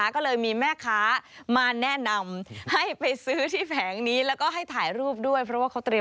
ก็เลยมีแม่ค้ามาแนะนำให้ไปซื้อที่แผงนี้